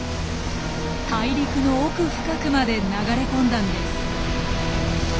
大陸の奥深くまで流れ込んだんです。